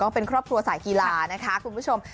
เป็นครอบครัวสายกีฬานะคะคุณผู้ชม